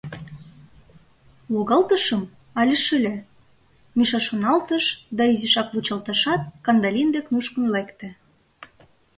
«Логалтышым, але шыле?» — Миша шоналтыш да, изиш вучалташат, Кандалин дек нушкын лекте.